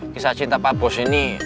kisah cinta pak bos ini